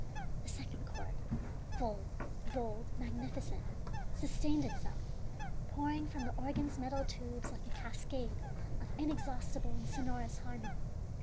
The second chord, full, bold, magnificent, sustained itself, pouring from the organ's metal tubes like a cascade of inexhaustible and sonorous harmony.